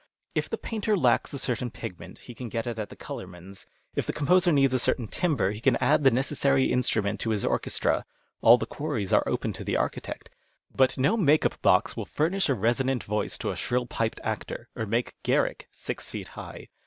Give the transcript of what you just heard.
If the painter lacks a certain ])igment he can get it at the colour man's. If the composer needs a certain timbre he 102 ACTING AS ART can add the necessary instrument to his orchestra. All the quarries are open to the architect. But no " make up " box will furnish a resonant voice to a shrill piped actor or make Garrick six feet high.